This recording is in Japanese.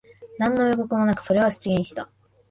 何の予告もなく、それは出現した。音もなく、影もなかった。